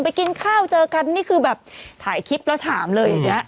กินข้าวเจอกันนี่คือแบบถ่ายคลิปแล้วถามเลยอย่างนี้